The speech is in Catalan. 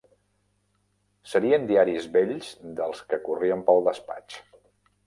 Serien diaris vells dels que corrien pel despatx